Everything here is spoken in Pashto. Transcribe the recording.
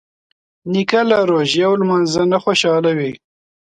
نیکه له روژې او لمانځه نه خوشحاله وي.